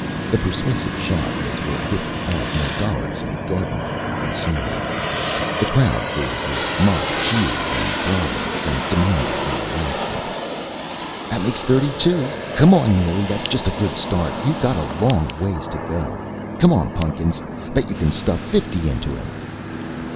The persuasive shot was worth fifty five more dollars in garden fruit consumed. The crowd gave with mock cheers and bravos, and demanded more action. "That makes thirty two.... Come on, Neely that's just a good start. You got a long, long ways to go.... Come on, Pun'kins bet you can stuff fifty into him...."